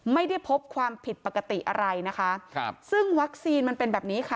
ไม่ได้พบความผิดปกติอะไรนะคะครับซึ่งวัคซีนมันเป็นแบบนี้ค่ะ